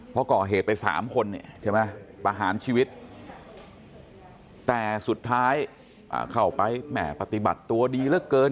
เพราะก่อเหตุไป๓คนเนี่ยใช่ไหมประหารชีวิตแต่สุดท้ายเข้าไปแหม่ปฏิบัติตัวดีเหลือเกิน